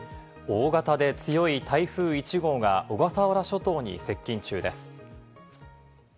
大型で強い台風１号が小笠原諸島に接近中です。